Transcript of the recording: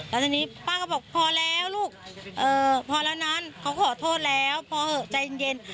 แล้วทีนี้ป้าก็บอกพอแล้วลูกพอแล้วนั้นเขาขอโทษแล้วพอเหอะใจเย็น